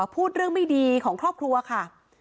พูดเรื่องไม่ดีของครอบครัวค่ะ